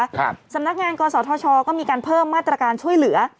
สำนักงานกศธชก็มีการเพิ่มมาตรการช่วยเหลือ